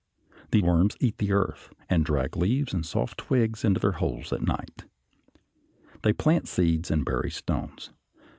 The worms eat the earth, and drag leaves and soft twigs into their holes at night. They plant seeds and bury stones.